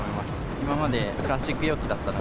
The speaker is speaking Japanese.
今までプラスチック容器だったの